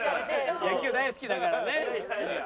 野球大好きだからね。